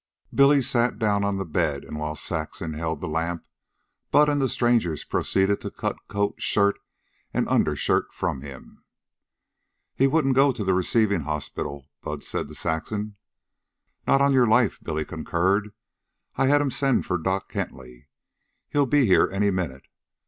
Billy sat down on the bed, and while Saxon held the lamp, Bud and the strangers proceeded to cut coat, shirt, and undershirt from him. "He wouldn't go to the receivin' hospital," Bud said to Saxon. "Not on your life," Billy concurred. "I had 'em send for Doc Hentley. He'll be here any minute.